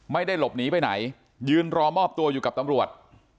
ไม่ได้หลบหนีไปไหนยืนรอมอบตัวอยู่กับตำรวจ